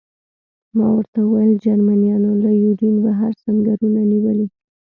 ما ورته وویل: جرمنیانو له یوډین بهر سنګرونه نیولي.